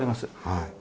はい。